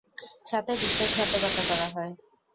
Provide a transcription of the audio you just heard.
সাথে বিশ্বাসঘাতকতা করা হয়।